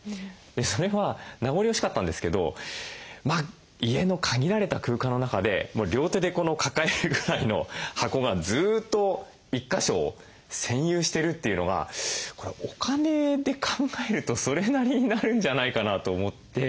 それは名残惜しかったんですけど家の限られた空間の中で両手で抱えるぐらいの箱がずっと一か所を専有してるっていうのはこれお金で考えるとそれなりになるんじゃないかなと思って。